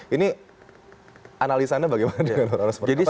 ini analisannya bagaimana dengan orang orang sepertinya